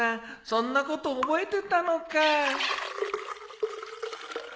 そんなこと覚えてたのか。